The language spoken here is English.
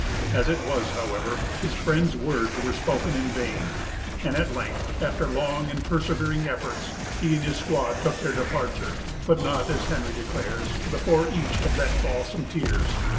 As it was, however, his friend's words were spoken in vain; and at length, after long and persevering efforts, he and his squaw took their departure, but not, as Henry declares, before each had let fall some tears.